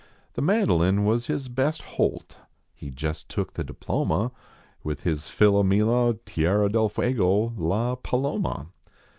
The mandolin was his best holt He jest took the diploma With his Philomela, Tierra Del Fuego, L,a Paloma.